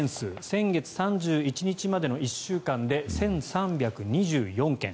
先月３１日までの１週間で１３２４件。